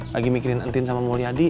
lagi mikirin entin sama mulyadi